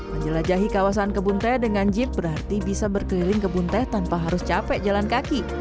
menjelajahi kawasan kebun teh dengan jeep berarti bisa berkeliling kebun teh tanpa harus capek jalan kaki